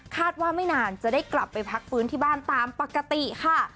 ว่าไม่นานจะได้กลับไปพักฟื้นที่บ้านตามปกติค่ะ